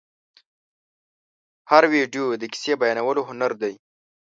هره ویډیو د کیسې بیانولو هنر دی.